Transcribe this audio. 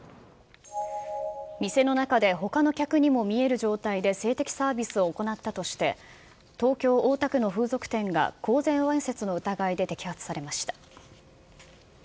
店の中でほかの客にも見える状態で性的サービスを行ったとして、東京・大田区の風俗店が、公然わいせつの疑いで摘発されました。